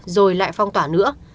rồi lại phong tỏa nữa